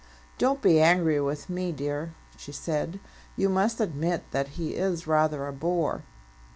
"Don't be angry with me, dear," she said. "You must admit that he is rather a bore."